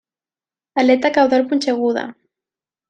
Aleta caudal punxeguda.